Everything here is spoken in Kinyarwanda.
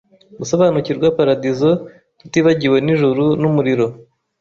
gusobanukirwa paradizo tutibagiwe n'ijuru n'umuriro